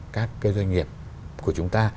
các cái doanh nghiệp của chúng ta